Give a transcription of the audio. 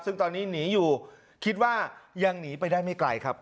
ซึ่งตอนนี้หนีอยู่คิดว่ายังหนีไปได้ไม่ไกลครับ